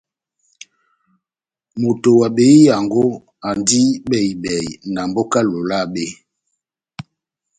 Moto wa behiyango andi bɛhi-bɛhi na mboka ya Lolabe.